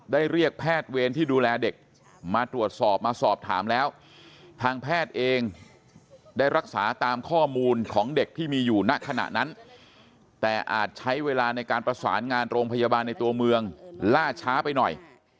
ได้รักษาตามข้อมูลของเด็กที่มีอยู่นะขณะนั้นแต่อาจใช้เวลาในการประสานงานโรงพยาบาลในตัวเมืองล่าช้าไปหน่อย